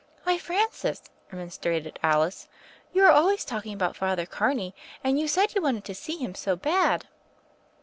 "Why, Francis," remonstrated Alice, "you are always talking about Father Carney; and you said you wanted to see him so bad."